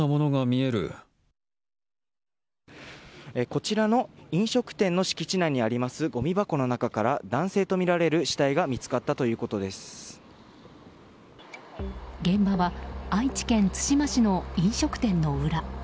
こちらの飲食店の敷地内にありますごみ箱の中から男性とみられる死体が現場は愛知県津島市の飲食店の裏。